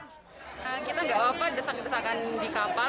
kita enggak apa apa desak desakan di kapal